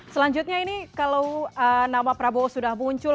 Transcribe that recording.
selanjutnya ini kalau nama prabowo sudah muncul